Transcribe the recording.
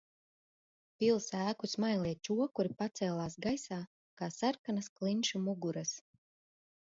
Pils ēku smailie čokuri pacēlās gaisā kā sarkanas klinšu muguras.